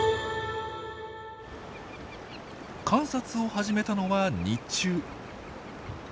観察を始めたのは日中。